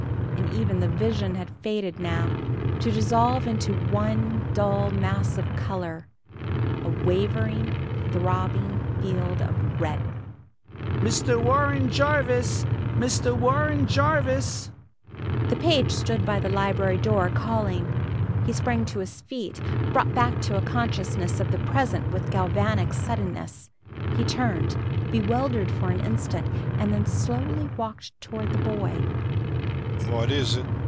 And even the vision had faded now, to dissolve into one dull mass of color a wavering, throbbing field of red! "Mr. Warren Jarvis! Mr. Warren Jarvis!" The page stood by the library door, calling. He sprang to his feet, brought back to a consciousness of the present with galvanic suddenness. He turned, bewildered for an instant, and then walked slowly toward the boy.